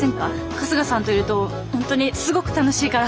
春日さんといると本当にすごく楽しいから。